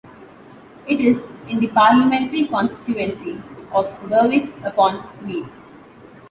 It is in the parliamentary constituency of Berwick-upon-Tweed.